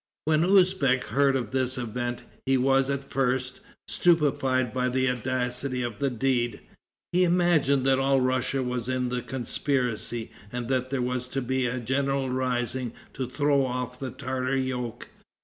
When Usbeck heard of this event, he was, at first, stupefied by the audacity of the deed. He imagined that all Russia was in the conspiracy, and that there was to be a general rising to throw off the Tartar yoke.